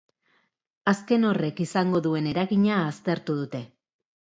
Azken horrek izango duen eragina aztertu dute.